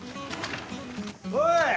おい！